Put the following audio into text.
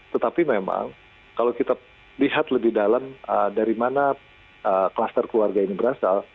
tetapi memang kalau kita lihat lebih dalam dari mana kluster keluarga ini berasal